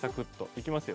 いきますよ。